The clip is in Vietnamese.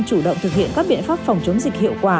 chủ động thực hiện các biện pháp phòng chống dịch hiệu quả